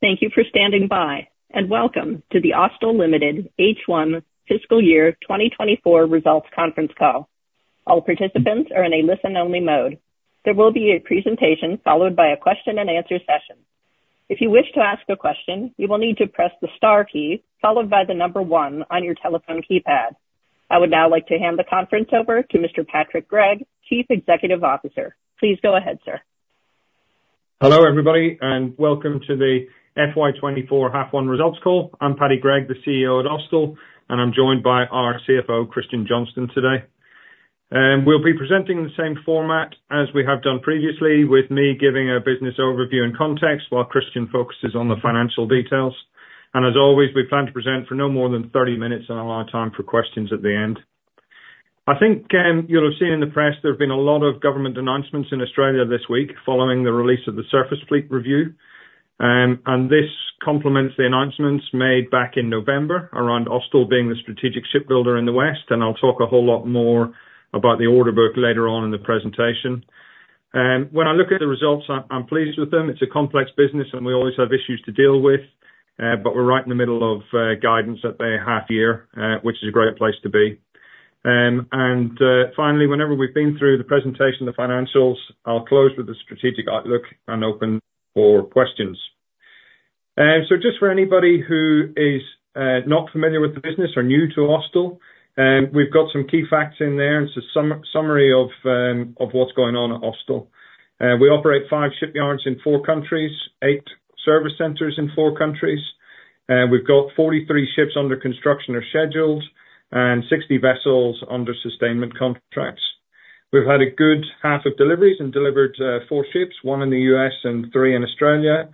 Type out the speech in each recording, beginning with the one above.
Thank you for standing by, and welcome to the Austal Limited H1 Fiscal Year 2024 Results Conference Call. All participants are in a listen-only mode. There will be a presentation followed by a question and answer session. If you wish to ask a question, you will need to press the star key followed by the number one on your telephone keypad. I would now like to hand the conference over to Mr. Patrick Gregg, Chief Executive Officer. Please go ahead, sir. Hello, everybody, and welcome to the FY 2024 half 1 results call. I'm Paddy Gregg, the CEO at Austal, and I'm joined by our CFO, Christian Johnston, today. We'll be presenting in the same format as we have done previously, with me giving a business overview and context while Christian focuses on the financial details. And as always, we plan to present for no more than 30 minutes and allow time for questions at the end. I think, you'll have seen in the press there have been a lot of government announcements in Australia this week following the release of the Surface Fleet Review. And this complements the announcements made back in November around Austal being the strategic shipbuilder in the West, and I'll talk a whole lot more about the order book later on in the presentation. When I look at the results, I'm pleased with them. It's a complex business, and we always have issues to deal with, but we're right in the middle of guidance at the half year, which is a great place to be. Finally, whenever we've been through the presentation, the financials, I'll close with a strategic outlook and open for questions. So just for anybody who is not familiar with the business or new to Austal, we've got some key facts in there, and so some summary of what's going on at Austal. We operate 5 shipyards in 4 countries, 8 service centers in 4 countries, we've got 43 ships under construction or scheduled, and 60 vessels under sustainment contracts. We've had a good half of deliveries and delivered 4 ships, 1 in the U.S. and 3 in Australia.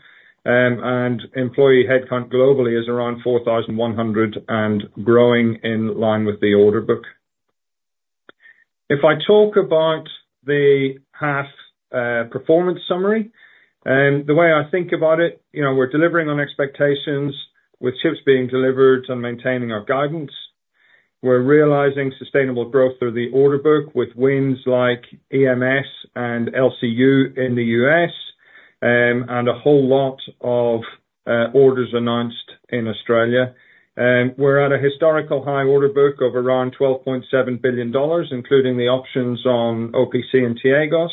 Employee headcount globally is around 4,100 and growing in line with the order book. If I talk about the half performance summary, the way I think about it, you know, we're delivering on expectations with ships being delivered and maintaining our guidance. We're realizing sustainable growth through the order book with wins like EMS and LCU in the U.S., and a whole lot of orders announced in Australia. We're at a historical high order book of around $12.7 billion, including the options on OPC and T-AGOS.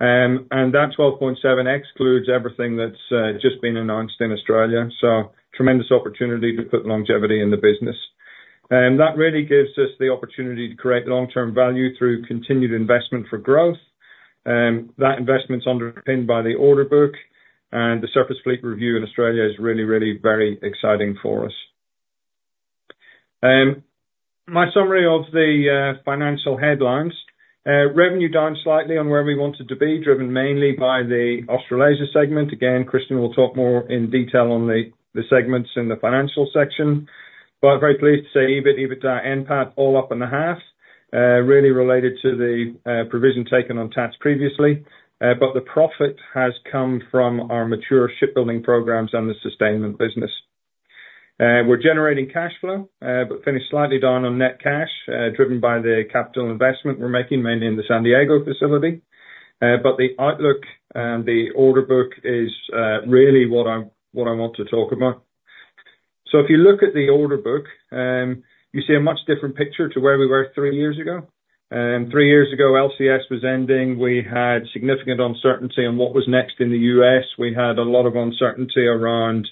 That 12.7 excludes everything that's just been announced in Australia, so tremendous opportunity to put longevity in the business. That really gives us the opportunity to create long-term value through continued investment for growth, that investment's underpinned by the order book, and the Surface Fleet Review in Australia is really, really very exciting for us. My summary of the financial headlines. Revenue down slightly on where we wanted to be, driven mainly by the Australasia segment. Again, Christian will talk more in detail on the segments in the financial section, but very pleased to say, EBIT, EBITDA, NPAT all up in the half, really related to the provision taken on tax previously, but the profit has come from our mature shipbuilding programs and the sustainment business. We're generating cash flow, but finished slightly down on net cash, driven by the capital investment we're making, mainly in the San Diego facility. But the outlook, the order book is really what I, what I want to talk about. So if you look at the order book, you see a much different picture to where we were three years ago. Three years ago, LCS was ending. We had significant uncertainty on what was next in the U.S. We had a lot of uncertainty around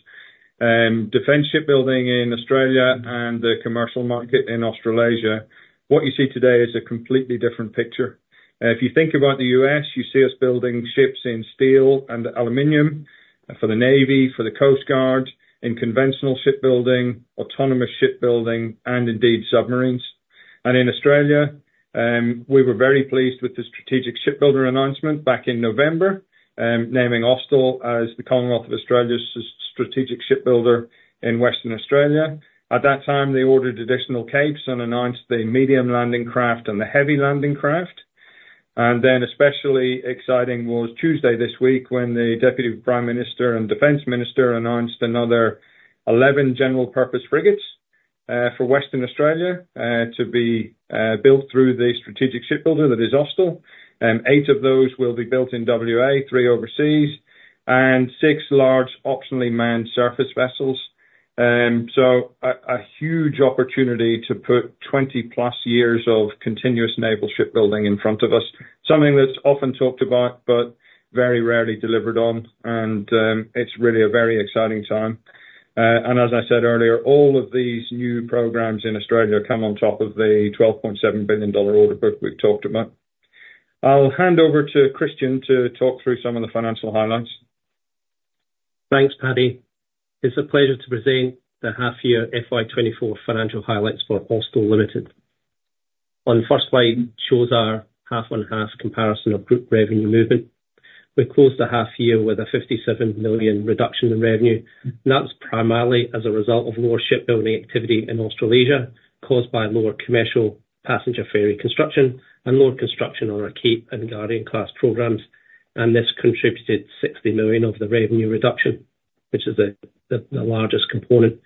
defense shipbuilding in Australia and the commercial market in Australasia. What you see today is a completely different picture. If you think about the U.S., you see us building ships in steel and aluminum for the Navy, for the Coast Guard, in conventional shipbuilding, autonomous shipbuilding, and indeed submarines. And in Australia, we were very pleased with the strategic shipbuilder announcement back in November, naming Austal as the Commonwealth of Australia's strategic shipbuilder in Western Australia. At that time, they ordered additional Capes and announced the Medium Landing Craft and the Heavy Landing Craft. Then, especially exciting, was Tuesday this week, when the Deputy Prime Minister and Defense Minister announced another 11 General Purpose Frigates for Western Australia to be built through the strategic shipbuilder, that is Austal. Eight of those will be built in WA, three overseas, and six large optionally manned surface vessels. So a huge opportunity to put 20+ years of continuous naval shipbuilding in front of us, something that's often talked about, but very rarely delivered on. And it's really a very exciting time. And as I said earlier, all of these new programs in Australia come on top of the 12.7 billion dollar order book we've talked about. I'll hand over to Christian to talk through some of the financial highlights. Thanks, Paddy. It's a pleasure to present the half year FY 2024 financial highlights for Austal Limited. On the first slide, it shows our half-on-half comparison of group revenue movement. We closed the half year with an 57 million reduction in revenue, and that was primarily as a result of lower shipbuilding activity in Australasia, caused by lower commercial passenger ferry construction and lower construction on our Cape and Guardian class programs, and this contributed 60 million of the revenue reduction, which is the largest component.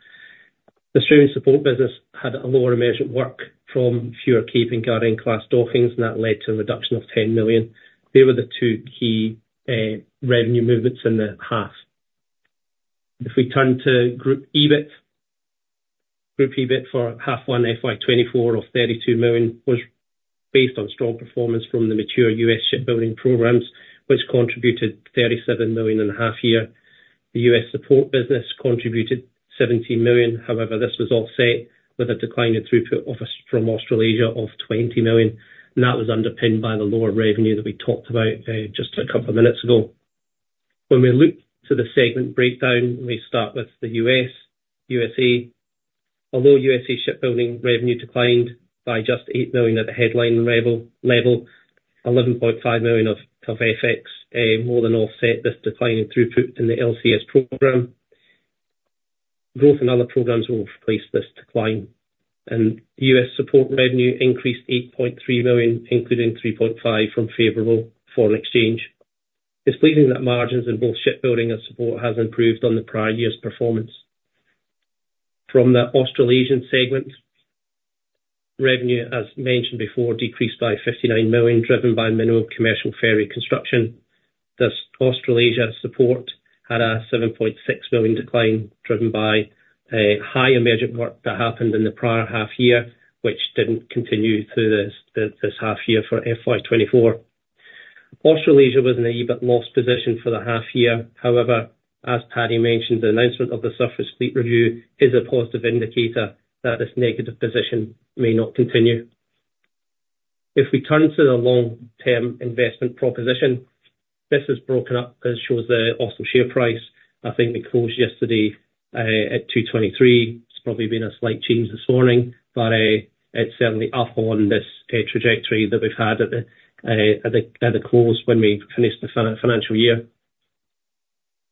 The Australian support business had lower emergent work from fewer Cape and Guardian class dockings, and that led to a reduction of 10 million. They were the two key revenue movements in the half. If we turn to group EBIT. Group EBIT for H1 FY 2024 of 32 million was based on strong performance from the mature US shipbuilding programs, which contributed 37 million in the half year. The US support business contributed 17 million. However, this was offset with a decline in throughput from Australasia of 20 million, and that was underpinned by the lower revenue that we talked about just a couple of minutes ago. When we look to the segment breakdown, we start with the US, USA. Although USA shipbuilding revenue declined by just 8 million at the headline level, 11.5 million of FX more than offset this decline in throughput in the LCS program. Growth in other programs will replace this decline, and US support revenue increased 8.3 million, including 3.5 from favorable foreign exchange. It's pleasing that margins in both shipbuilding and support has improved on the prior year's performance. From the Australasian segment, revenue, as mentioned before, decreased by 59 million, driven by minimal commercial ferry construction. Thus, Australasia support had a 7.6 million decline, driven by a high emergent work that happened in the prior half year, which didn't continue through this half year for FY 2024. Australasia was in a EBIT loss position for the half year. However, as Paddy mentioned, the announcement of the Surface Fleet Review is a positive indicator that this negative position may not continue. If we turn to the long-term investment proposition, this is broken up and shows the Austal share price. I think we closed yesterday at 2.23. It's probably been a slight change this morning, but, it's certainly up on this trajectory that we've had at the close when we finished the financial year.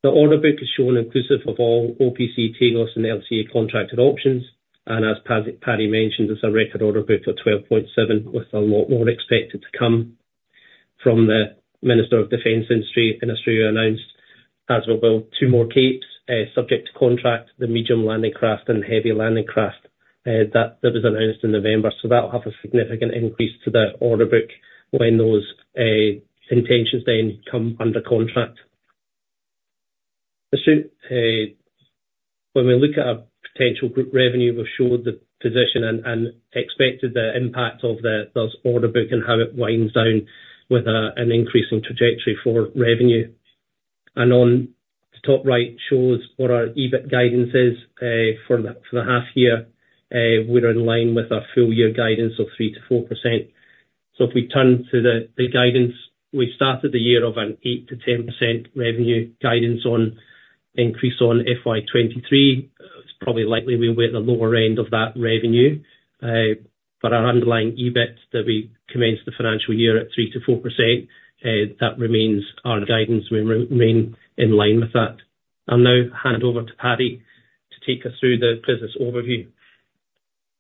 The order book is shown inclusive of all OPC, T-AGOS, and LCU contracted options, and as Paddy mentioned, it's a record order book of 12.7, with a lot more expected to come from the Minister of Defense Industry, and Australia announced as we'll build two more Capes, subject to contract, the Medium Landing Craft and Heavy Landing Craft, that was announced in November. So that will have a significant increase to the order book when those intentions then come under contract. As soon, when we look at our potential group revenue, we've showed the position and, and expected the impact of the, those order book and how it winds down with, an increasing trajectory for revenue. And on the top right shows what our EBIT guidance is, for the, for the half year. We're in line with our full year guidance of 3%-4%. So if we turn to the, the guidance, we've started the year of an 8%-10% revenue guidance on increase on FY 2023. It's probably likely we'll be at the lower end of that revenue, but our underlying EBIT that we commenced the financial year at 3%-4%, that remains our guidance. We remain in line with that. I'll now hand over to Paddy to take us through the business overview.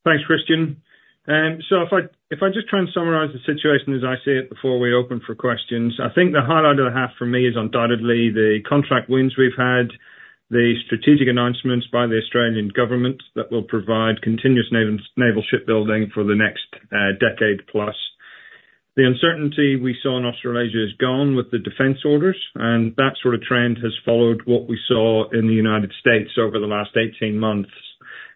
Thanks, Christian. So if I just try and summarize the situation as I see it before we open for questions, I think the highlight of the half for me is undoubtedly the contract wins we've had, the strategic announcements by the Australian government that will provide continuous naval shipbuilding for the next decade plus. The uncertainty we saw in Australasia is gone with the defense orders, and that sort of trend has followed what we saw in the United States over the last 18 months,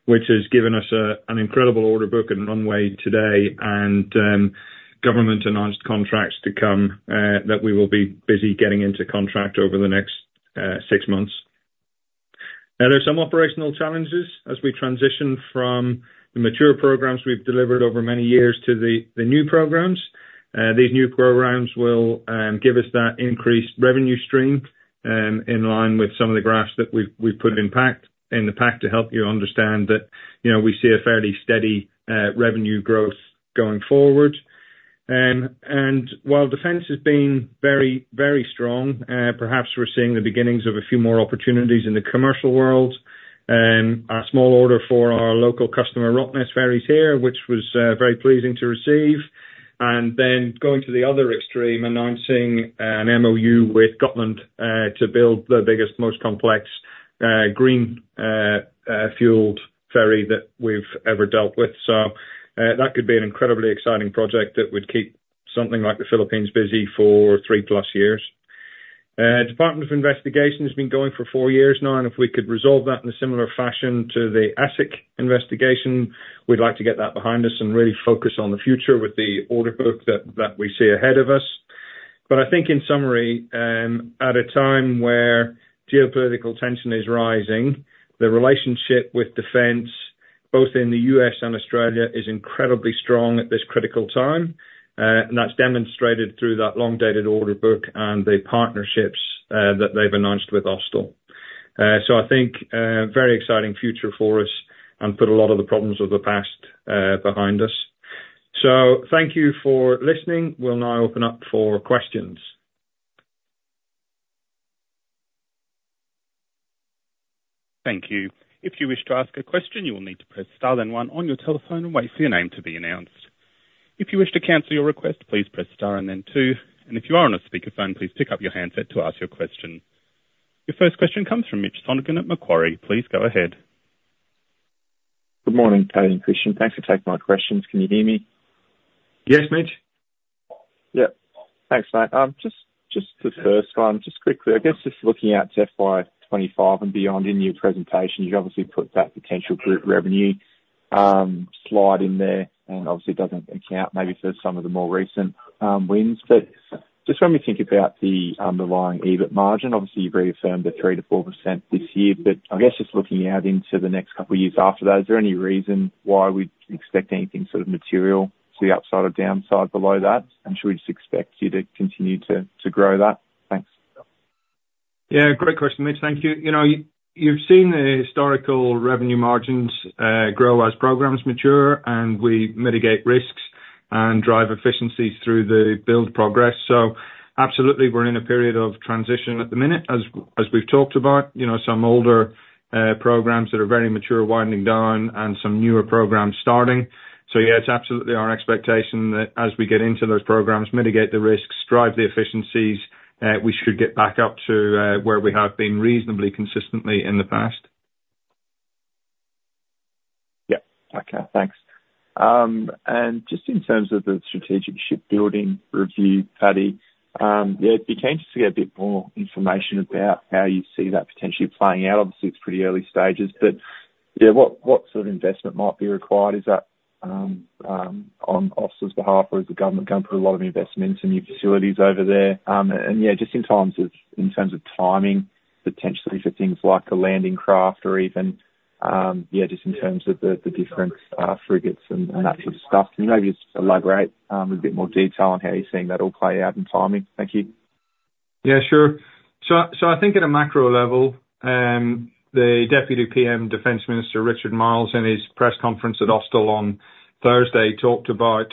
which has given us an incredible order book and runway today, and government-announced contracts to come that we will be busy getting into contract over the next 6 months. Now, there are some operational challenges as we transition from the mature programs we've delivered over many years to the new programs. These new programs will give us that increased revenue stream, in line with some of the graphs that we've put in the pack to help you understand that, you know, we see a fairly steady revenue growth going forward. And while defense has been very, very strong, perhaps we're seeing the beginnings of a few more opportunities in the commercial world. A small order for our local customer, Rottnest Ferries, here, which was very pleasing to receive. And then going to the other extreme, announcing an MOU with Gotland to build the biggest, most complex, green fueled ferry that we've ever dealt with. So, that could be an incredibly exciting project that would keep something like the Philippines busy for 3+ years. Department of Investigation has been going for four years now, and if we could resolve that in a similar fashion to the ASIC investigation, we'd like to get that behind us and really focus on the future with the order book that we see ahead of us. But I think in summary, at a time where geopolitical tension is rising, the relationship with defense, both in the U.S. and Australia, is incredibly strong at this critical time. And that's demonstrated through that long-dated order book and the partnerships that they've announced with Austal. So I think, very exciting future for us and put a lot of the problems of the past behind us. So thank you for listening. We'll now open up for questions. Thank you. If you wish to ask a question, you will need to press star then one on your telephone and wait for your name to be announced. If you wish to cancel your request, please press star and then two, and if you are on a speakerphone, please pick up your handset to ask your question. Your first question comes from Mitch Sonogan at Macquarie. Please go ahead. Good morning, Paddy and Christian. Thanks for taking my questions. Can you hear me? Yes, Mitch. Yeah. Thanks, mate. Just, just the first one, just quickly, I guess just looking out to FY 25 and beyond, in your presentation, you obviously put that potential group revenue slide in there, and obviously doesn't account maybe for some of the more recent wins. But just when we think about the underlying EBIT margin, obviously, you've reaffirmed the 3%-4% this year, but I guess just looking out into the next couple of years after that, is there any reason why we'd expect anything sort of material to the upside or downside below that? And should we just expect you to continue to grow that? Thanks. Yeah, great question, Mitch. Thank you. You know, you've seen the historical revenue margins grow as programs mature, and we mitigate risks and drive efficiencies through the build progress. So absolutely, we're in a period of transition at the minute, as, as we've talked about, you know, some older programs that are very mature winding down and some newer programs starting. So yeah, it's absolutely our expectation that as we get into those programs, mitigate the risks, drive the efficiencies, we should get back up to where we have been reasonably consistently in the past. Yeah. Okay, thanks. And just in terms of the strategic shipbuilding review, Paddy, yeah, be keen to see a bit more information about how you see that potentially playing out. Obviously, it's pretty early stages, but, yeah, what sort of investment might be required? Is that on Austal's behalf, or is the government going to put a lot of investment into new facilities over there? And, yeah, just in terms of timing, potentially for things like a landing craft or even, yeah, just in terms of the different frigates and that sort of stuff. Can you maybe just elaborate a bit more detail on how you're seeing that all play out in timing? Thank you. Yeah, sure. So I think at a macro level, the Deputy PM Defense Minister, Richard Marles, in his press conference at Austal on Thursday, talked about,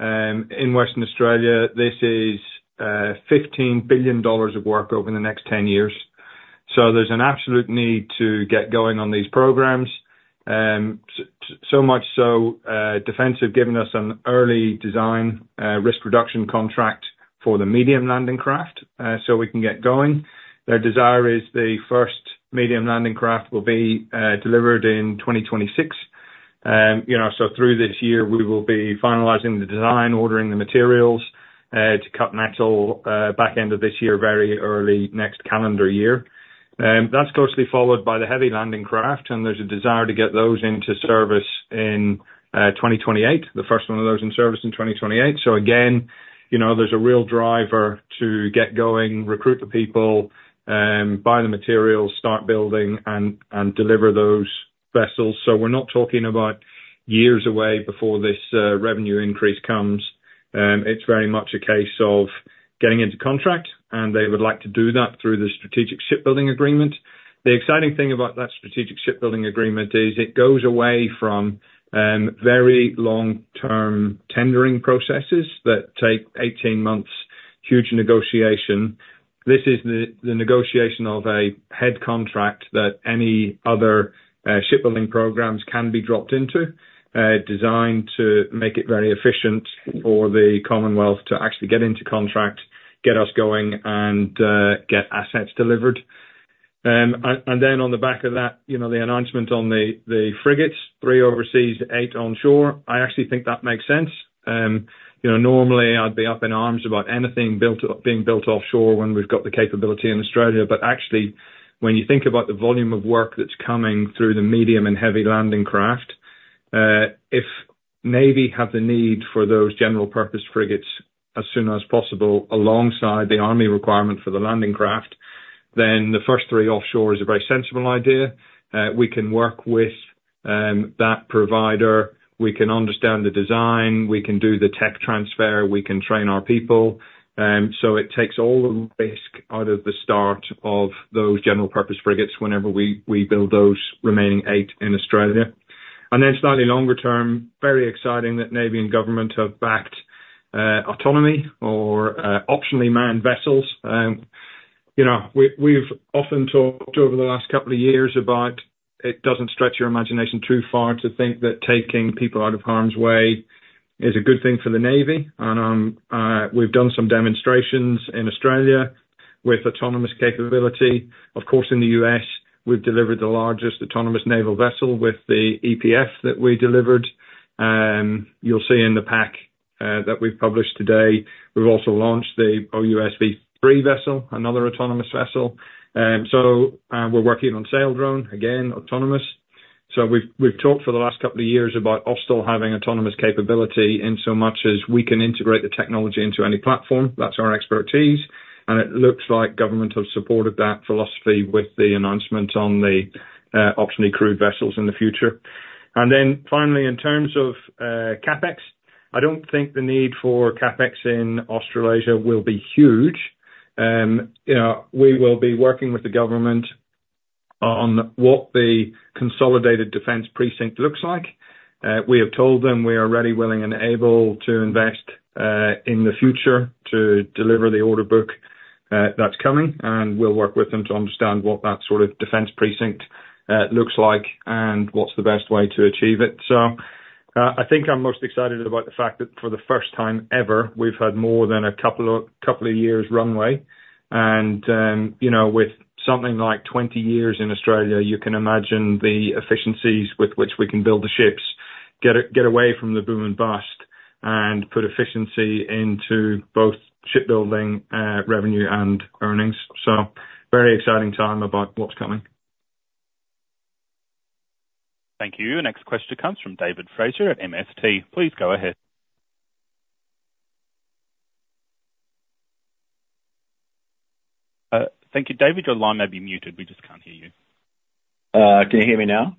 in Western Australia, this is 15 billion dollars of work over the next 10 years. So there's an absolute need to get going on these programs. So much so, Defense have given us an early design risk reduction contract for the Medium Landing Craft, so we can get going. Their desire is the first Medium Landing Craft will be delivered in 2026. You know, so through this year, we will be finalizing the design, ordering the materials to cut metal back end of this year, very early next calendar year. That's closely followed by the Heavy Landing Craft, and there's a desire to get those into service in 2028, the first one of those in service in 2028. So again, you know, there's a real driver to get going, recruit the people, buy the materials, start building and deliver those vessels. So we're not talking about years away before this revenue increase comes. It's very much a case of getting into contract, and they would like to do that through the Strategic Shipbuilding Agreement. The exciting thing about that Strategic Shipbuilding Agreement is it goes away from very long-term tendering processes that take 18 months, huge negotiation. This is the negotiation of a head contract that any other shipbuilding programs can be dropped into, designed to make it very efficient for the Commonwealth to actually get into contract, get us going, and get assets delivered. And then on the back of that, you know, the announcement on the frigates, 3 overseas, 8 onshore, I actually think that makes sense. You know, normally, I'd be up in arms about anything being built offshore when we've got the capability in Australia. But actually, when you think about the volume of work that's coming through the medium and Heavy Landing Craft, if Navy have the need for those general-purpose frigates as soon as possible alongside the Army requirement for the landing craft, then the first 3 offshore is a very sensible idea. We can work with that provider, we can understand the design, we can do the tech transfer, we can train our people. So it takes all the risk out of the start of those General Purpose Frigates whenever we build those remaining 8 in Australia. And then slightly longer term, very exciting that Navy and government have backed autonomy or optionally manned vessels. You know, we've often talked over the last couple of years about it doesn't stretch your imagination too far to think that taking people out of harm's way is a good thing for the Navy, and we've done some demonstrations in Australia with autonomous capability. Of course, in the US, we've delivered the largest autonomous naval vessel with the EPF that we delivered. You'll see in the pack that we've published today, we've also launched the OUSV 3 vessel, another autonomous vessel. So, we're working on Saildrone, again, autonomous. So we've talked for the last couple of years about Austal having autonomous capability insomuch as we can integrate the technology into any platform. That's our expertise, and it looks like government have supported that philosophy with the announcement on the optionally crewed vessels in the future. Then finally, in terms of CapEx, I don't think the need for CapEx in Australasia will be huge. You know, we will be working with the government on what the Consolidated Defense Precinct looks like. We have told them we are ready, willing, and able to invest in the future to deliver the order book. That's coming, and we'll work with them to understand what that sort of defense precinct looks like and what's the best way to achieve it. So, I think I'm most excited about the fact that for the first time ever, we've had more than a couple of years runway. And, you know, with something like 20 years in Australia, you can imagine the efficiencies with which we can build the ships, get away from the boom and bust, and put efficiency into both shipbuilding revenue and earnings. So very exciting time about what's coming. Thank you. The next question comes from David Fraser at MST. Please go ahead. Thank you, David. Your line may be muted. We just can't hear you. Can you hear me now?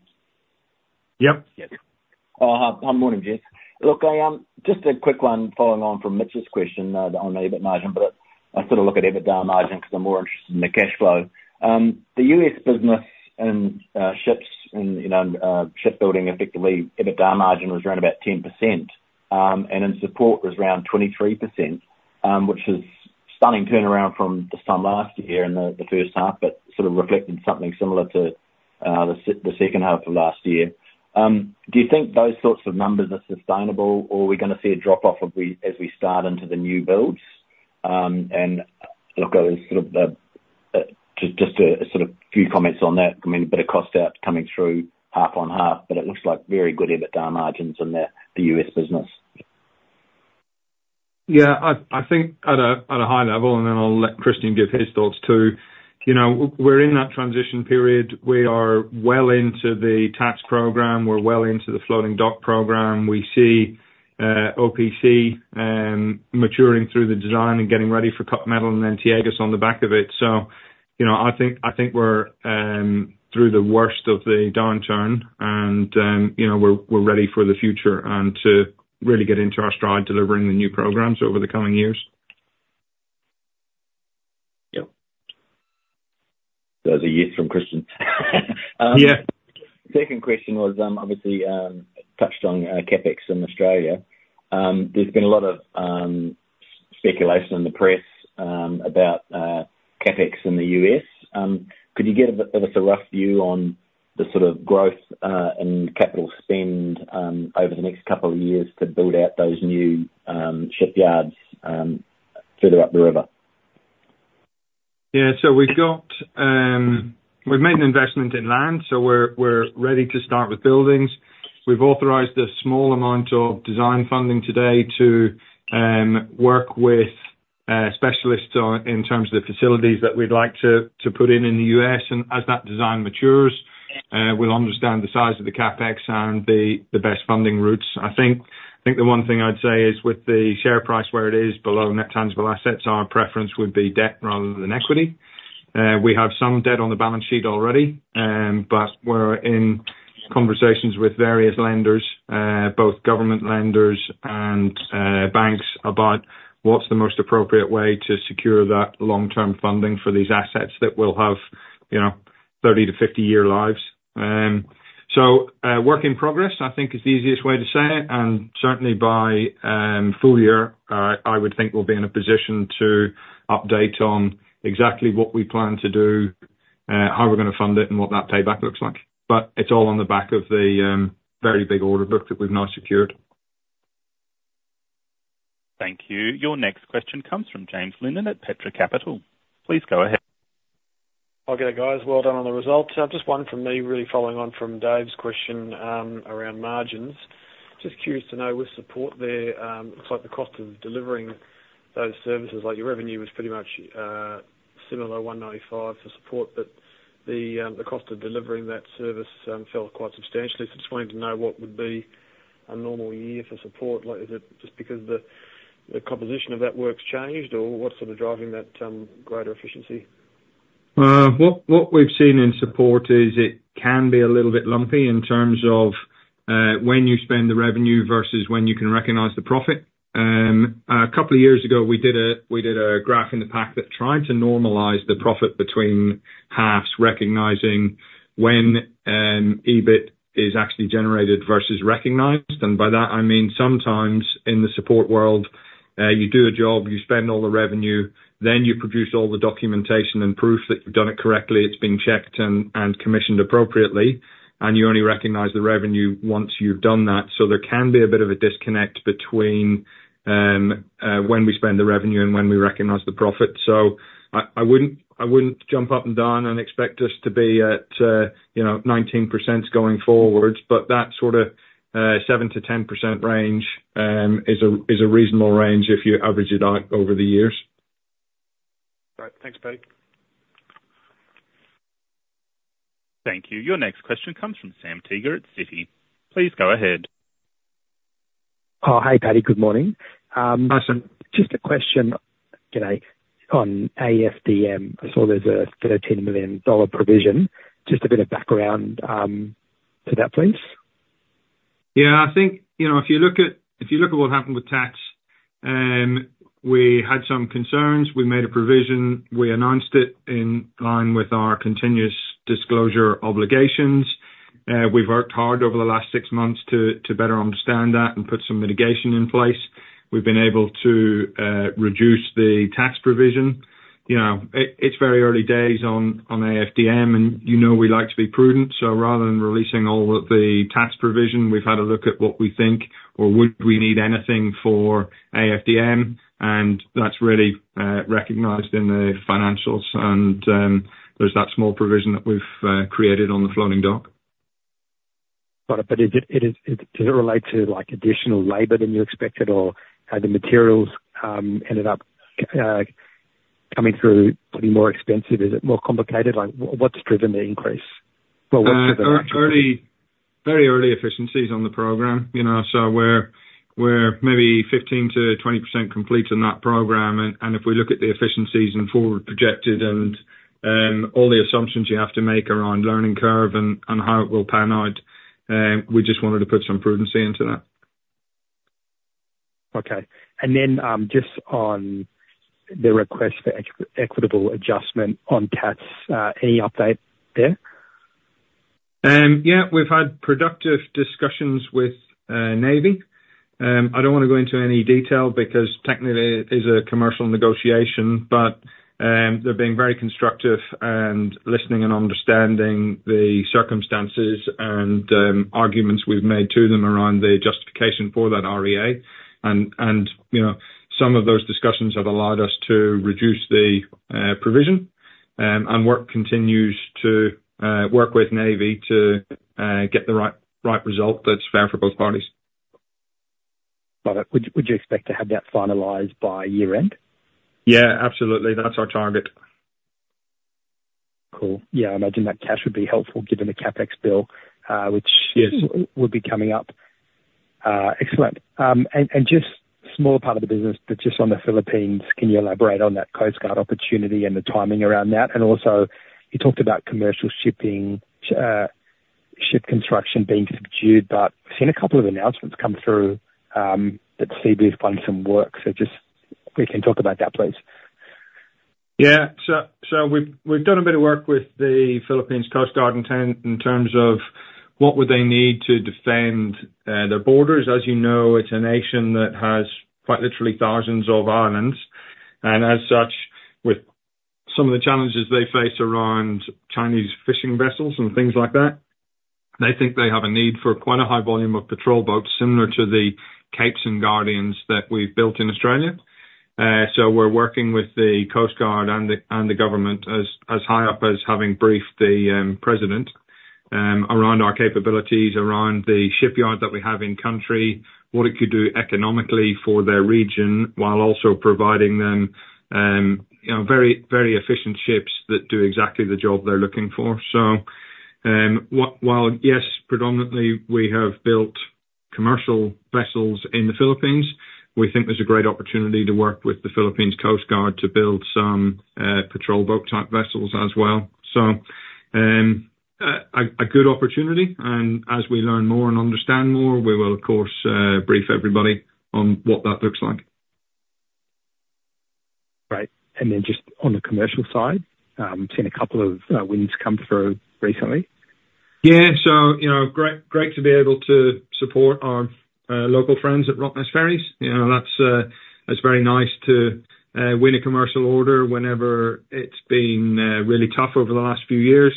Yep. Yes. Oh, hi. Good morning, Jeff. Look, I just a quick one following on from Mitch's question on EBIT margin, but I sort of look at EBITDA margin, because I'm more interested in the cash flow. The US business and ships and, you know, shipbuilding, effectively, EBITDA margin was around about 10%, and in support was around 23%, which is stunning turnaround from this time last year in the first half, but sort of reflected something similar to the second half of last year. Do you think those sorts of numbers are sustainable, or are we gonna see a drop-off as we start into the new builds? And look, I was sort of just a few comments on that. I mean, a bit of cost out coming through half on half, but it looks like very good EBITDA margins in the US business. Yeah, I think at a high level, and then I'll let Christian give his thoughts, too. You know, we're in that transition period. We are well into the T-AGOS program. We're well into the floating dock program. We see OPC maturing through the design and getting ready for cut metal and then T-AGOS on the back of it. So, you know, I think we're through the worst of the downturn, and you know, we're ready for the future and to really get into our stride, delivering the new programs over the coming years. Yep. There's a yes from Christian. Yeah. Second question was, obviously, touched on CapEx in Australia. There's been a lot of speculation in the press about CapEx in the U.S. Could you give us a rough view on the sort of growth and capital spend over the next couple of years to build out those new shipyards further up the river? Yeah. So we've got... We've made an investment in land, so we're ready to start with buildings. We've authorized a small amount of design funding today to work with specialists on, in terms of the facilities that we'd like to put in, in the U.S., and as that design matures, we'll understand the size of the CapEx and the best funding routes. I think the one thing I'd say is with the share price where it is below net tangible assets, our preference would be debt rather than equity. We have some debt on the balance sheet already, but we're in conversations with various lenders, both government lenders and banks, about what's the most appropriate way to secure that long-term funding for these assets that will have, you know, 30-50-year lives. So, work in progress, I think is the easiest way to say it, and certainly by full year, I would think we'll be in a position to update on exactly what we plan to do, how we're gonna fund it, and what that payback looks like. But it's all on the back of the very big order book that we've now secured. Thank you. Your next question comes from James Lim at Petra Capital. Please go ahead. Okay, guys, well done on the results. Just one from me, really following on from Dave's question, around margins. Just curious to know, with support there, looks like the cost of delivering those services, like your revenue, was pretty much similar to 195 for support, but the cost of delivering that service fell quite substantially. So just wanting to know what would be a normal year for support. Like, is it just because the composition of that work's changed, or what's sort of driving that greater efficiency? What we've seen in support is it can be a little bit lumpy in terms of when you spend the revenue versus when you can recognize the profit. A couple of years ago, we did a graph in the pack that tried to normalize the profit between halves, recognizing when EBIT is actually generated versus recognized. And by that, I mean sometimes in the support world, you do a job, you spend all the revenue, then you produce all the documentation and proof that you've done it correctly, it's been checked and commissioned appropriately, and you only recognize the revenue once you've done that. So there can be a bit of a disconnect between when we spend the revenue and when we recognize the profit. So I wouldn't jump up and down and expect us to be at, you know, 19% going forward, but that sort of 7%-10% range is a reasonable range if you average it out over the years. Great. Thanks, Paddy. Thank you. Your next question comes from Sam Teeger at Citi. Please go ahead. Oh, hi, Paddy. Good morning. Hi, Sam. Just a question, can I... On AFDM, I saw there's a, a $10 million provision. Just a bit of background to that, please? Yeah, I think, you know, if you look at, if you look at what happened with tax, we had some concerns. We made a provision. We announced it in line with our continuous disclosure obligations. We've worked hard over the last six months to better understand that and put some mitigation in place. We've been able to reduce the tax provision. You know, it's very early days on AFDM, and you know, we like to be prudent, so rather than releasing all of the tax provision, we've had a look at what we think, or would we need anything for AFDM? And that's really recognized in the financials, and there's that small provision that we've created on the floating dock. Got it. But is it—does it relate to, like, additional labor than you expected, or have the materials ended up coming through pretty more expensive? Is it more complicated? Like, what's driven the increase? Well, what's— Early, very early efficiencies on the program, you know, so we're maybe 15%-20% complete in that program. And if we look at the efficiencies and forward projected and all the assumptions you have to make around learning curve and how it will pan out, we just wanted to put some prudency into that. Okay. Just on the Request for Equitable Adjustment on LCS, any update there? Yeah, we've had productive discussions with Navy. I don't wanna go into any detail because technically it is a commercial negotiation, but they're being very constructive and listening and understanding the circumstances and arguments we've made to them around the justification for that REA. And, you know, some of those discussions have allowed us to reduce the provision, and work continues to work with Navy to get the right result that's fair for both parties. Got it. Would you expect to have that finalized by year-end? Yeah, absolutely. That's our target. Cool. Yeah, I imagine that cash would be helpful, given the CapEx bill, which- Yes... will be coming up. Excellent. And just small part of the business, but just on the Philippines, can you elaborate on that Coast Guard opportunity and the timing around that? And also, you talked about commercial shipping, ship construction being subdued, but we've seen a couple of announcements come through, that Cebu is finding some work. So just quickly talk about that, please. Yeah. So we've done a bit of work with the Philippines Coast Guard in terms of what would they need to defend their borders. As you know, it's a nation that has quite literally thousands of islands, and as such, with some of the challenges they face around Chinese fishing vessels and things like that, they think they have a need for quite a high volume of patrol boats, similar to the Capes and Guardians that we've built in Australia. So we're working with the Coast Guard and the government as high up as having briefed the president around our capabilities, around the shipyard that we have in country, what it could do economically for their region, while also providing them, you know, very, very efficient ships that do exactly the job they're looking for. So, while, yes, predominantly we have built commercial vessels in the Philippines, we think there's a great opportunity to work with the Philippine Coast Guard to build some patrol boat-type vessels as well. So, a good opportunity, and as we learn more and understand more, we will, of course, brief everybody on what that looks like. Great. And then just on the commercial side, seen a couple of wins come through recently. Yeah. So, you know, great, great to be able to support our local friends at Rottnest Ferries. You know, that's, that's very nice to win a commercial order whenever it's been really tough over the last few years.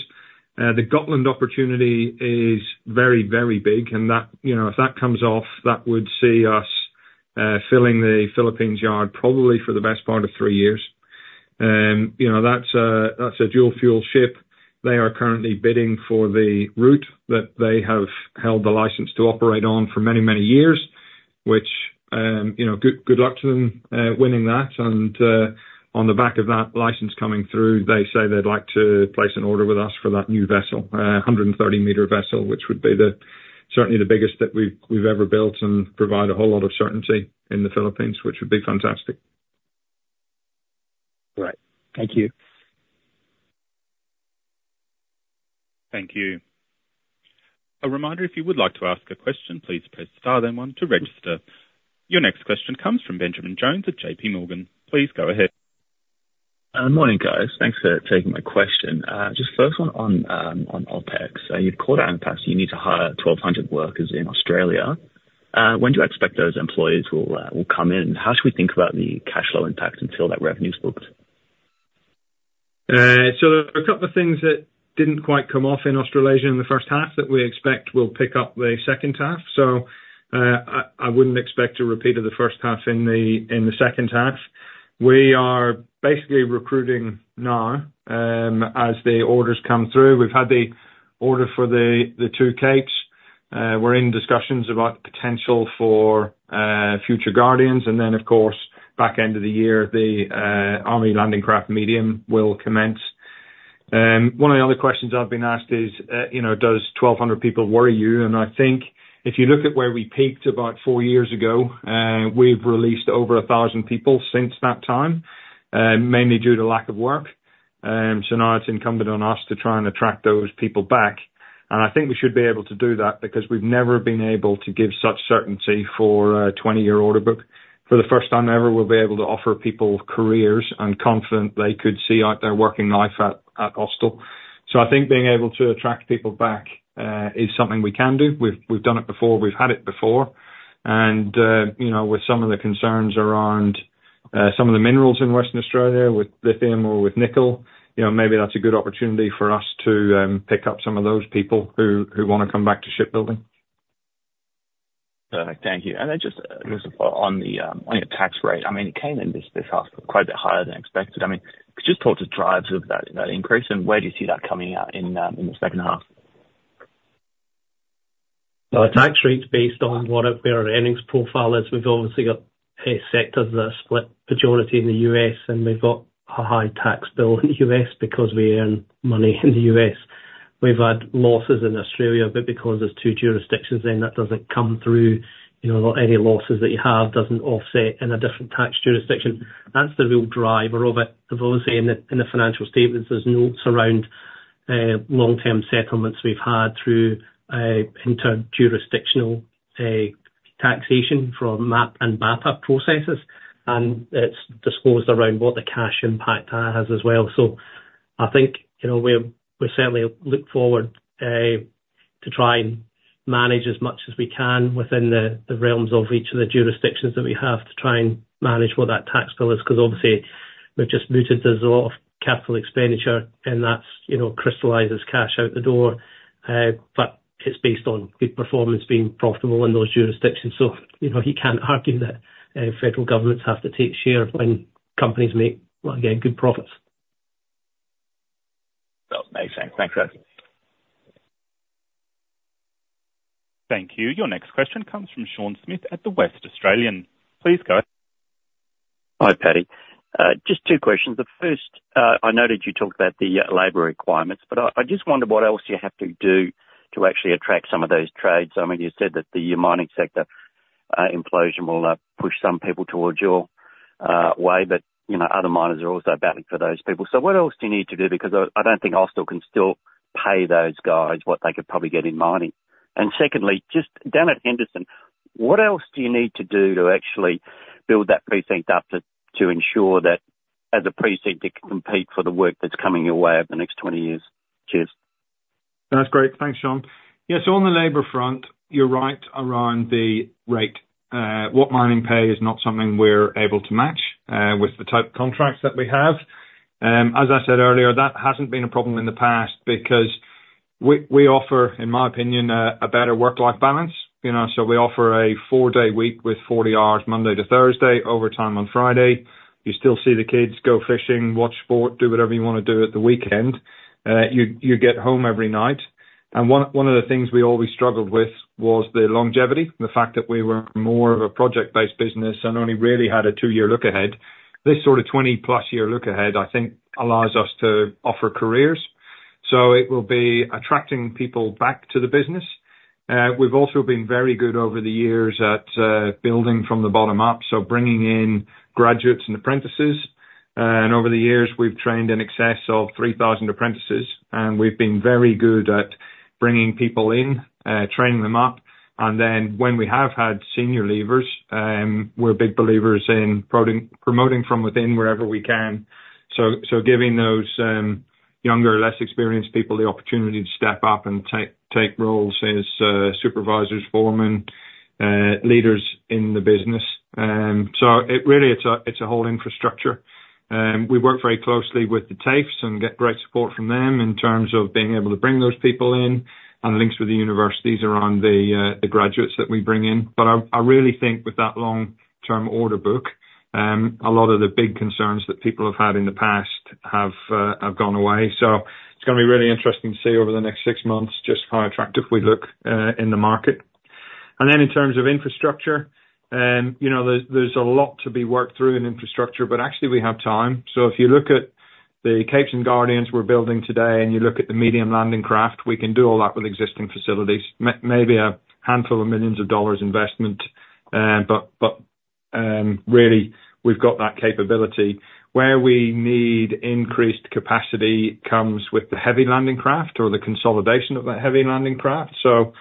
The Gotland opportunity is very, very big, and that, you know, if that comes off, that would see us filling the Philippines yard probably for the best part of three years. You know, that's a, that's a dual-fuel ship. They are currently bidding for the route that they have held the license to operate on for many, many years, which, you know, good, good luck to them winning that. On the back of that license coming through, they say they'd like to place an order with us for that new vessel, 130-meter vessel, which would be certainly the biggest that we've ever built and provide a whole lot of certainty in the Philippines, which would be fantastic. Great. Thank you. Thank you. A reminder, if you would like to ask a question, please press star then one to register. Your next question comes from Benjamin Jones at JPMorgan. Please go ahead. Morning, guys. Thanks for taking my question. Just first one on OpEx. You've called out in the past you need to hire 1,200 workers in Australia. When do you expect those employees will come in? How should we think about the cash flow impact until that revenue's booked? So there are a couple of things that didn't quite come off in Australasia in the first half that we expect will pick up the second half. So, I wouldn't expect a repeat of the first half in the second half. We are basically recruiting now as the orders come through. We've had the order for the two Capes. We're in discussions about the potential for future Guardians, and then, of course, back end of the year, the Army Landing Craft Medium will commence. One of the other questions I've been asked is, you know, "Does 1,200 people worry you?" And I think if you look at where we peaked about four years ago, we've released over 1,000 people since that time, mainly due to lack of work. So now it's incumbent on us to try and attract those people back, and I think we should be able to do that because we've never been able to give such certainty for a 20-year order book. For the first time ever, we'll be able to offer people careers and confident they could see out their working life at Austal. So I think being able to attract people back is something we can do. We've done it before, we've had it before. And you know, with some of the concerns around some of the minerals in Western Australia, with lithium or with nickel, you know, maybe that's a good opportunity for us to pick up some of those people who wanna come back to shipbuilding. Perfect. Thank you. And then just on your tax rate, I mean, it came in this half quite a bit higher than expected. I mean, could you just talk to the drivers of that increase, and where do you see that coming out in the second half? Well, our tax rate's based on what our earnings profile is. We've obviously got a sector that's split majority in the U.S., and we've got a high tax bill in the U.S. because we earn money in the U.S. We've had losses in Australia, but because there's two jurisdictions then, that doesn't come through. You know, any losses that you have doesn't offset in a different tax jurisdiction. That's the real driver of it. Obviously, in the financial statements, there's notes around long-term settlements we've had through interjurisdictional taxation from MAP and BAPA processes, and it's disclosed around what the cash impact has as well. So I think, you know, we certainly look forward to try and manage as much as we can within the realms of each of the jurisdictions that we have, to try and manage what that tax bill is. 'Cause obviously, we've just moved. There's a lot of capital expenditure and that's, you know, crystallizes cash out the door. But it's based on good performance, being profitable in those jurisdictions. So, you know, you can't argue that federal governments have to take share when companies make, well, again, good profits. Well, makes sense. Thanks, Rod. Thank you. Your next question comes from Sean Smith at The West Australian. Please go ahead. Hi, Paddy. Just two questions. The first, I noted you talked about the labor requirements, but I just wondered what else do you have to do to actually attract some of those trades? I mean, you said that the mining sector implosion will push some people towards your way, but you know, other miners are also battling for those people. So what else do you need to do? Because I don't think Austal can still pay those guys what they could probably get in mining. And secondly, just down at Henderson, what else do you need to do to actually build that precinct up to ensure that as a precinct, it can compete for the work that's coming your way over the next 20 years? Cheers. That's great. Thanks, Sean. Yes, so on the labor front, you're right around the rate. What mining pay is not something we're able to match with the type of contracts that we have. As I said earlier, that hasn't been a problem in the past, because we offer, in my opinion, a better work-life balance, you know. So we offer a four-day week with 40 hours, Monday to Thursday, overtime on Friday. You still see the kids, go fishing, watch sport, do whatever you wanna do at the weekend. You get home every night. And one of the things we always struggled with was the longevity, the fact that we were more of a project-based business and only really had a two-year look ahead. This sort of 20-plus year look ahead, I think, allows us to offer careers, so it will be attracting people back to the business. We've also been very good over the years at building from the bottom up, so bringing in graduates and apprentices. And over the years, we've trained in excess of 3,000 apprentices, and we've been very good at bringing people in, training them up. And then when we have had senior leavers, we're big believers in promoting from within wherever we can. So giving those younger, less experienced people the opportunity to step up and take roles as supervisors, foremen, leaders in the business. So it really is a whole infrastructure. We work very closely with the TAFEs and get great support from them in terms of being able to bring those people in, and links with the universities around the graduates that we bring in. But I really think with that long-term order book, a lot of the big concerns that people have had in the past have gone away. So it's gonna be really interesting to see over the next six months just how attractive we look in the market. And then in terms of infrastructure, you know, there's a lot to be worked through in infrastructure, but actually we have time. So if you look at the Capes and Guardians we're building today, and you look at the Medium Landing Craft, we can do all that with existing facilities. Maybe a handful of millions of AUD investment, but, but, really, we've got that capability. Where we need increased capacity comes with the Heavy Landing Craft or the consolidation of the Heavy Landing Craft. So, you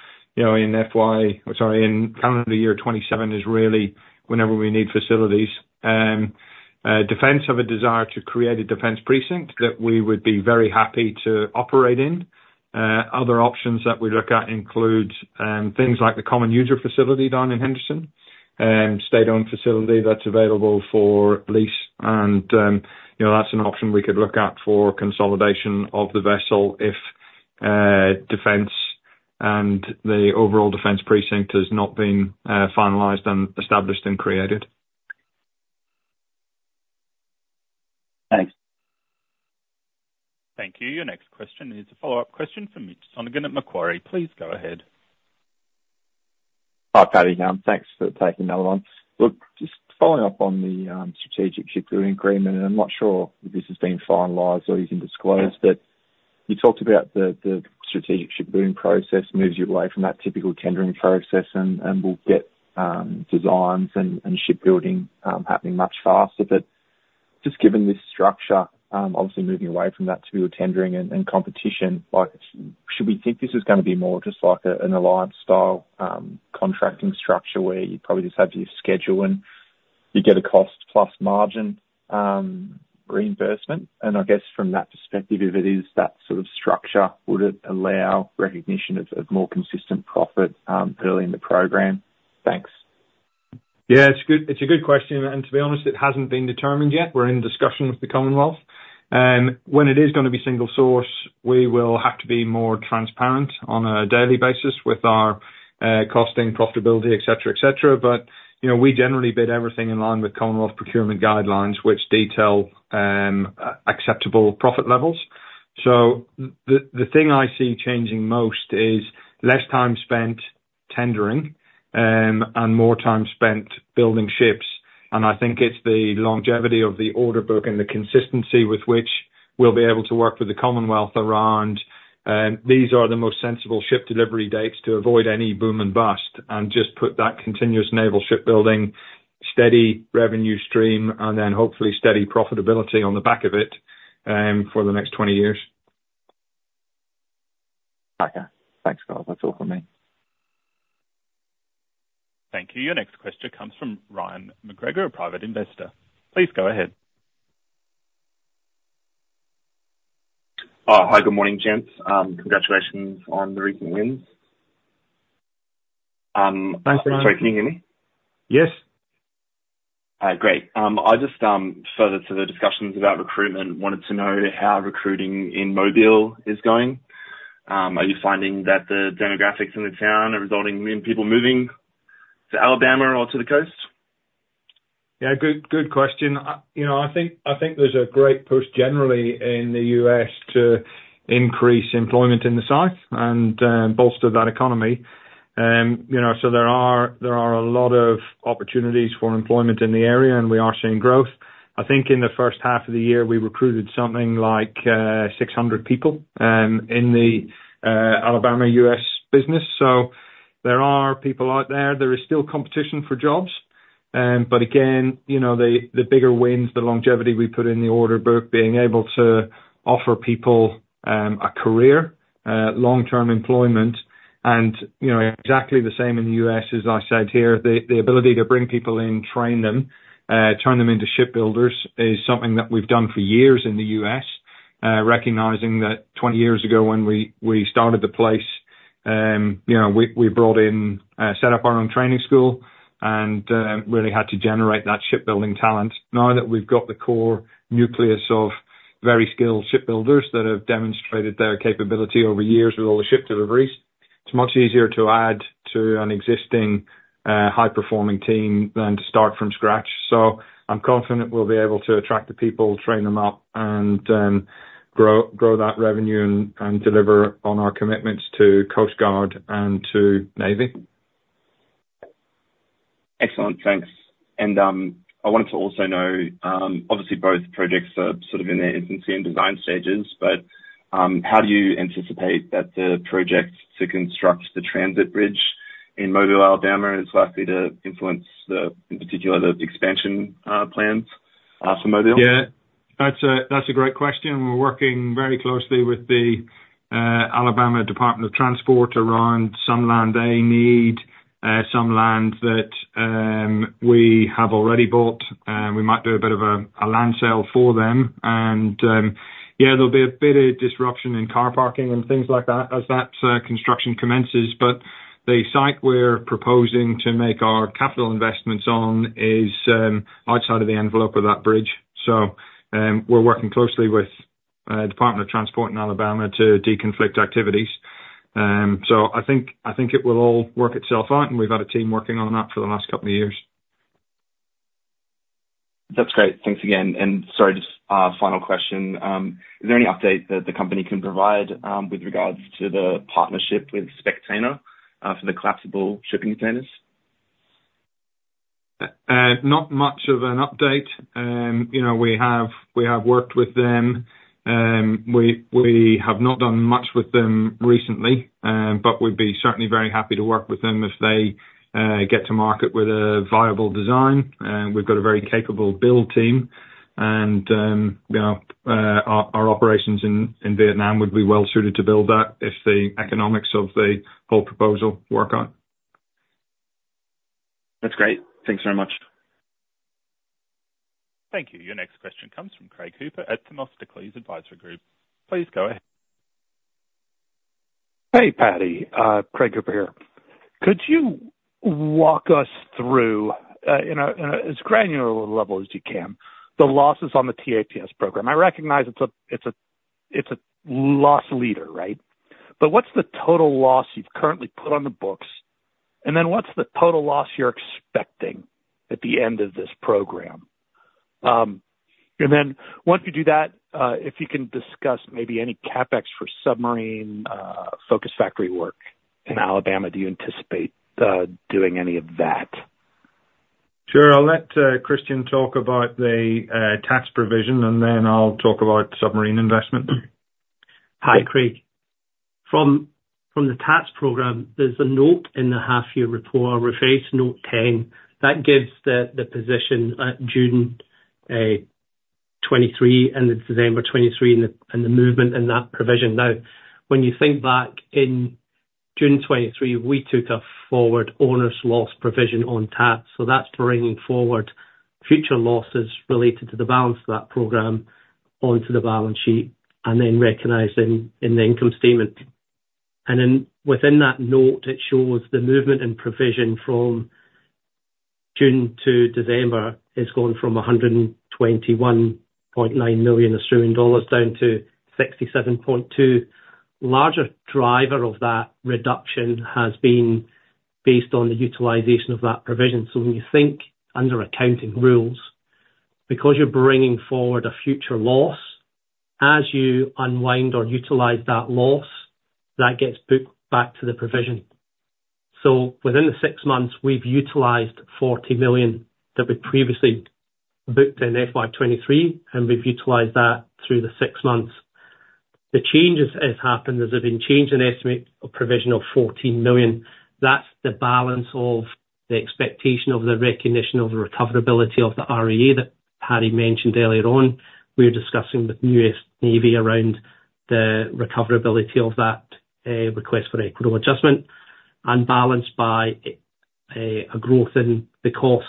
know, in FY... Sorry, in calendar year 2027 is really whenever we need facilities. Defense have a desire to create a defense precinct that we would be very happy to operate in. Other options that we look at include things like the Common User Facility down in Henderson, state-owned facility that's available for lease. And, you know, that's an option we could look at for consolidation of the vessel if Defense and the overall defense precinct has not been finalized and established and created. Thanks. Thank you. Your next question is a follow-up question from Mitch Sonogan at Macquarie. Please go ahead. Hi, Paddy. Thanks for taking that one. Look, just following up on the Strategic Shipbuilding Agreement, and I'm not sure if this has been finalized or you can disclose, but you talked about the strategic shipbuilding process moves you away from that typical tendering process and will get designs and shipbuilding happening much faster. But just given this structure, obviously moving away from that to tendering and competition, like-Should we think this is going to be more just like a, an alliance style, contracting structure, where you probably just have your schedule and you get a cost plus margin, reimbursement? And I guess from that perspective, if it is that sort of structure, would it allow recognition of, of more consistent profit, early in the program? Thanks. It's a good question, and to be honest, it hasn't been determined yet. We're in discussion with the Commonwealth. When it is gonna be single source, we will have to be more transparent on a daily basis with our costing, profitability, et cetera, et cetera. But, you know, we generally bid everything in line with Commonwealth procurement guidelines, which detail acceptable profit levels. So the thing I see changing most is less time spent tendering and more time spent building ships. I think it's the longevity of the order book and the consistency with which we'll be able to work with the Commonwealth around, these are the most sensible ship delivery dates to avoid any boom and bust, and just put that continuous naval shipbuilding, steady revenue stream, and then hopefully steady profitability on the back of it, for the next 20 years. Okay. Thanks, Scott. That's all for me. Thank you. Your nextquestion comes from Ryan McGregor, a private investor. Please go ahead. Hi, good morning, gents. Congratulations on the recent wins. Thanks, Ryan. Sorry, can you hear me? Yes. Great. I just, further to the discussions about recruitment, wanted to know how recruiting in Mobile is going. Are you finding that the demographics in the town are resulting in people moving to Alabama or to the coast? Yeah, good, good question. You know, I think, I think there's a great push generally in the U.S. to increase employment in the South and, bolster that economy. You know, so there are, there are a lot of opportunities for employment in the area, and we are seeing growth. I think in the first half of the year, we recruited something like, 600 people, in the, Alabama, U.S. business, so there are people out there. There is still competition for jobs. But again, you know, the, the bigger wins, the longevity we put in the order book, being able to offer people, a career, long-term employment, and, you know, exactly the same in the U.S., as I said here. The ability to bring people in, train them, turn them into shipbuilders, is something that we've done for years in the U.S. Recognizing that 20 years ago, when we started the place, you know, we brought in, set up our own training school, and really had to generate that shipbuilding talent. Now that we've got the core nucleus of very skilled shipbuilders that have demonstrated their capability over years with all the ship deliveries, it's much easier to add to an existing, high-performing team than to start from scratch. So I'm confident we'll be able to attract the people, train them up, and grow that revenue and deliver on our commitments to Coast Guard and to Navy. Excellent, thanks. And, I wanted to also know, obviously both projects are sort of in their infancy and design stages, but, how do you anticipate that the project to construct the transit bridge in Mobile, Alabama, is likely to influence the, in particular, the expansion plans for Mobile? Yeah, that's a great question. We're working very closely with the Alabama Department of Transportation around some land they need, some land that we have already bought, and we might do a bit of a land sale for them. Yeah, there'll be a bit of disruption in car parking and things like that as that construction commences, but the site we're proposing to make our capital investments on is outside of the envelope of that bridge. So, we're working closely with the Department of Transportation in Alabama to deconflict activities. So, I think it will all work itself out, and we've had a team working on that for the last couple of years. That's great. Thanks again, and sorry, just, final question. Is there any update that the company can provide, with regards to the partnership with Spectainer, for the collapsible shipping containers? Not much of an update. You know, we have worked with them. We have not done much with them recently, but we'd be certainly very happy to work with them if they get to market with a viable design. We've got a very capable build team, and you know, our operations in Vietnam would be well suited to build that, if the economics of the whole proposal work out. That's great. Thanks very much. Thank you. Your next question comes from Craig Hooper at Themistocles Advisory Group. Please go ahead. Hey, Paddy. Craig Hooper here. Could you walk us through, in as granular a level as you can, the losses on the T-ATS program? I recognize it's a loss leader, right? But what's the total loss you've currently put on the books, and then what's the total loss you're expecting at the end of this program? And then once you do that, if you can discuss maybe any CapEx for submarine focus factory work in Alabama, do you anticipate doing any of that? Sure. I'll let Christian talk about the tax provision, and then I'll talk about submarine investment. Hi, Craig. From the tax program, there's a note in the half-year report. I refer you to note 10, that gives the position at June. 2023, and it's December 2023, and the, and the movement in that provision. Now, when you think back in June 2023, we took a forward owner's loss provision on T-ATS. So that's bringing forward future losses related to the balance of that program onto the balance sheet, and then recognizing in the income statement. And then within that note, it shows the movement in provision from June to December, it's gone from 121.9 million Australian dollars down to 67.2 million. The larger driver of that reduction has been based on the utilization of that provision. So when you think under accounting rules, because you're bringing forward a future loss, as you unwind or utilize that loss, that gets booked back to the provision. So within the six months, we've utilized 40 million that we previously booked in FY 2023, and we've utilized that through the six months. The changes that has happened, there's been change in estimate of provision of 14 million. That's the balance of the expectation of the recognition of the recoverability of the REA that Patty mentioned earlier on. We're discussing with the U.S. Navy around the recoverability of that, request for equitable adjustment and balanced by, a growth in the costs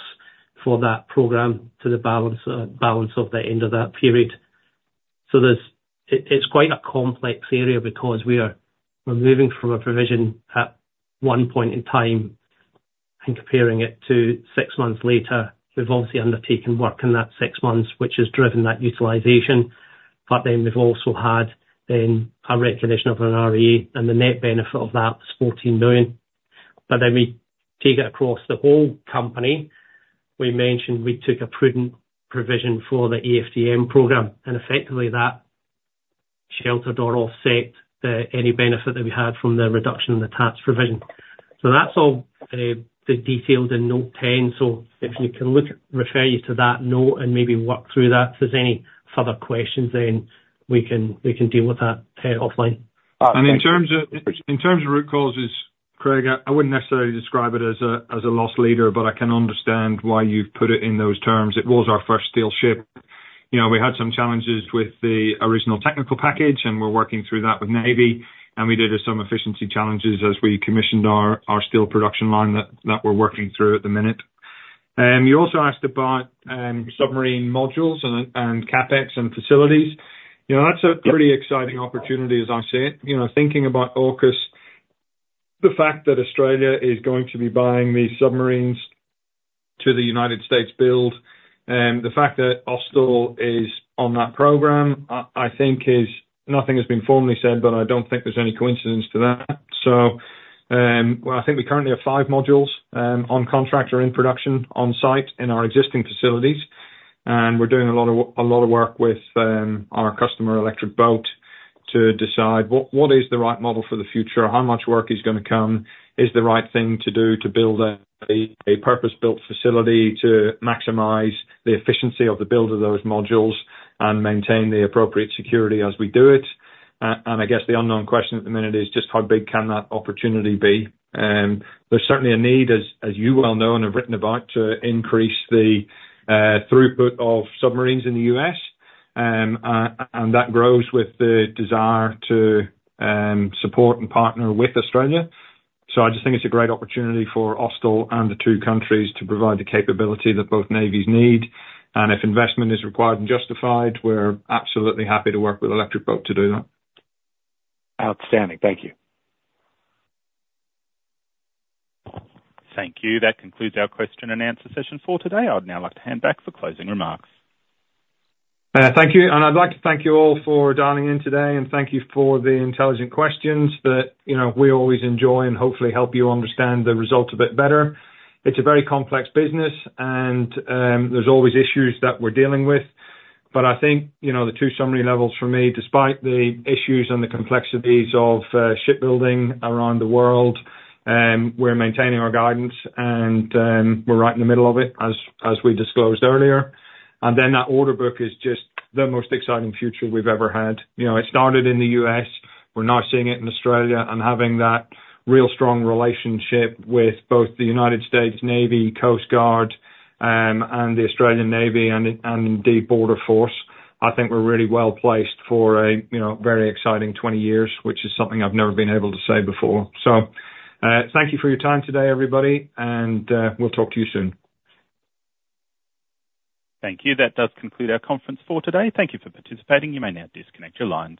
for that program to the balance, balance of the end of that period. So there's, it's quite a complex area because we are, we're moving from a provision at one point in time and comparing it to six months later. We've obviously undertaken work in that six months, which has driven that utilization, but then we've also had then a recognition of an REA, and the net benefit of that is 14 million. But then we take it across the whole company. We mentioned we took a prudent provision for the AFDM program, and effectively that sheltered or offset the any benefit that we had from the reduction in the tax provision. So that's all the details in note 10. So if we can look, refer you to that note and maybe work through that, if there's any further questions, then we can, we can deal with that offline. In terms of root causes, Craig, I wouldn't necessarily describe it as a loss leader, but I can understand why you've put it in those terms. It was our first steel ship. You know, we had some challenges with the original technical package, and we're working through that with Navy, and we did have some efficiency challenges as we commissioned our steel production line that we're working through at the minute. You also asked about submarine modules and CapEx and facilities. You know, that's a pretty exciting opportunity, as I see it. You know, thinking about AUKUS, the fact that Australia is going to be buying these submarines to the United States build, the fact that Austal is on that program, I think is... Nothing has been formally said, but I don't think there's any coincidence to that. So, well, I think we currently have five modules on contract or in production on site in our existing facilities, and we're doing a lot of work with our customer, Electric Boat, to decide what is the right model for the future? How much work is gonna come? Is the right thing to do to build a purpose-built facility to maximize the efficiency of the build of those modules and maintain the appropriate security as we do it? And I guess the unknown question at the minute is just how big can that opportunity be? There's certainly a need, as you well know, and have written about, to increase the throughput of submarines in the U.S., and that grows with the desire to support and partner with Australia. So I just think it's a great opportunity for Austal and the two countries to provide the capability that both navies need, and if investment is required and justified, we're absolutely happy to work with Electric Boat to do that. Outstanding. Thank you. Thank you. That concludes our question and answer session for today. I would now like to hand back for closing remarks. Thank you, and I'd like to thank you all for dialing in today, and thank you for the intelligent questions that, you know, we always enjoy, and hopefully help you understand the results a bit better. It's a very complex business, and there's always issues that we're dealing with, but I think, you know, the two summary levels for me, despite the issues and the complexities of shipbuilding around the world, we're maintaining our guidance, and we're right in the middle of it, as we disclosed earlier. And then that order book is just the most exciting future we've ever had. You know, it started in the U.S., we're now seeing it in Australia, and having that real strong relationship with both the United States Navy, Coast Guard, and the Australian Navy and, and indeed, Border Force, I think we're really well placed for a, you know, very exciting 20 years, which is something I've never been able to say before. So, thank you for your time today, everybody, and, we'll talk to you soon. Thank you. That does conclude our conference for today. Thank you for participating. You may now disconnect your lines.